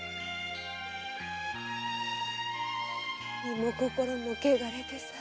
身も心も汚れてさ。